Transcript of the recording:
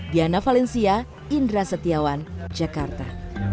diana valencia indra setiawan jakarta